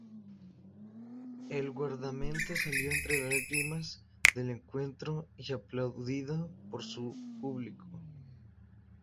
El guardameta salió entre lágrimas del encuentro y aplaudido por su público.